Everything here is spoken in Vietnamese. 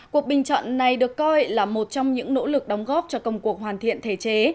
cuộc bình chọn này được coi là một trong những nỗ lực đóng góp cho công cuộc hoàn thiện thể chế